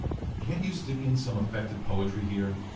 ["Can't you stick in some affecting poetry here?"